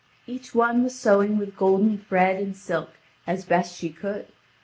Each one was sewing with golden thread and silk, as best she could.